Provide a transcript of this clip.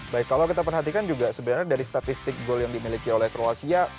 baik kalau kita perhatikan juga sebenarnya dari statistik gol yang dimiliki oleh kroasia